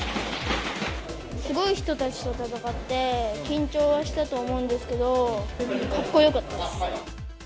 すごい人たちと戦って、緊張はしたと思うんですけれども、かっこよかったです。